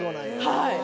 はい。